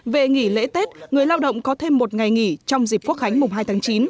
về nghỉ lễ tết người lao động có thêm một ngày nghỉ trong dịp quốc khánh mùng hai tháng chín